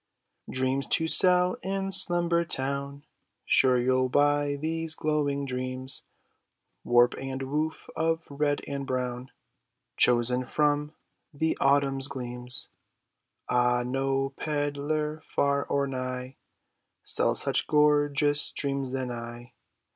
" Dreams to sell in Slumber town ! Sure you'll buy these glowing dreams ! Warp and woof of red and brown Chosen from the autumn's gleams! Ah, no pedler far or nigh Sells such gorgeous dreams as I